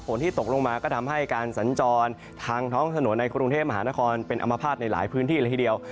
ที่ตกลงมาก็ทำให้การสัญจรทางท้องถนนในกรุงเทพมหานครเป็นอมภาษณ์ในหลายพื้นที่เลยทีเดียว